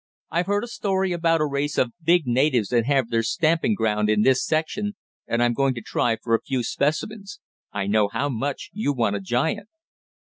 I've heard a story about a race of big natives that have their stamping ground in this section, and I'm going to try for a few specimens. I know how much you want a giant.'"